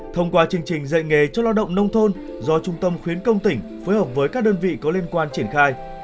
thông qua chương trình dạy nghề cho lao động nông thôn do trung tâm khuyến công tỉnh phối hợp với các đơn vị có liên quan triển khai